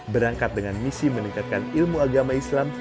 berangkat dengan misi meningkatkan ilmu agama islam